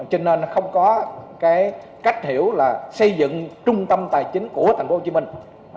cho nên không có cách hiểu là xây dựng trung tâm tài chính của tp hcm